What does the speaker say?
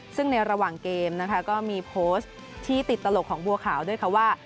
ซึ่งในระหว่างเกมนะคะก็มีโพสต์ที่ติดตลกของบัวขาวด้วยค่ะว่า